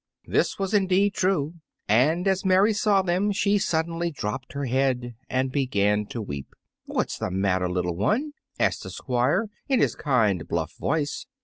This was indeed true, and as Mary saw them she suddenly dropped her head and began to weep. "What's the matter, little one?" asked the Squire in his kind, bluff voice.